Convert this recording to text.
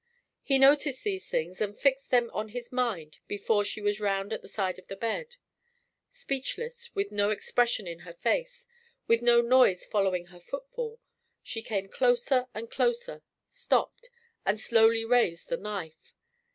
He noticed those things and fixed them on his mind before she was round at the side of the bed. Speechless, with no expression in her face, with no noise following her footfall, she came closer and closer stopped and slowly raised the knife.